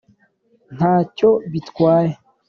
nta cyo bitwaye.